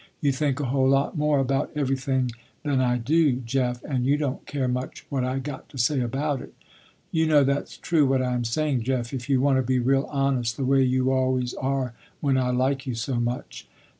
You think a whole lot more about everything than I do Jeff, and you don't care much what I got to say about it. You know that's true what I am saying Jeff, if you want to be real honest, the way you always are when I like you so much."